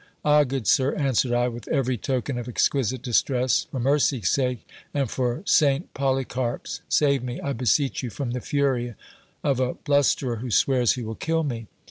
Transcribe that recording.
Ah ! good sir, answered I, with every token of equisite distress, for mercy's sake and for St Polycarp's ! save me, I beseech y< >u, from the fury of a blusterer, who swears he will kill me.